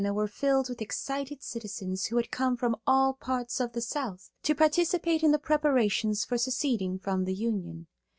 were filled with excited citizens who had come from all parts of the South to participate in the preparations for seceding from the Union.